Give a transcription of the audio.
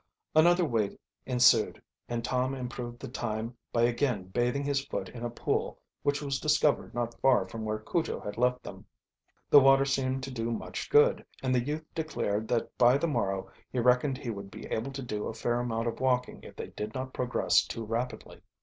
Another wait ensued, and Tom improved the time by again bathing his foot in a pool which was discovered not far from where Cujo had left them. The water seemed to do much good, and the youth declared that by the morrow he reckoned he would be able to do a fair amount of walking if they did not progress too rapidly.